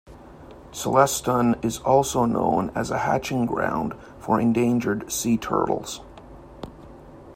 Celestun is also known as a hatching ground for endangered sea turtles.